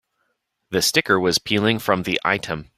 The sticker was peeling from the item.